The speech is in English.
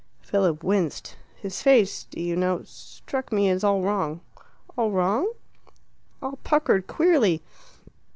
Philip winced. "His face, do you know, struck me as all wrong." "All wrong?" "All puckered queerly."